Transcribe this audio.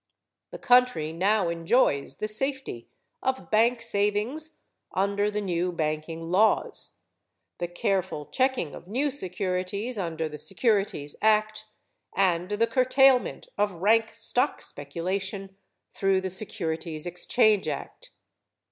The country now enjoys the safety of bank savings under the new banking laws, the careful checking of new securities under the Securities Act and the curtailment of rank stock speculation through the Securities Exchange Act.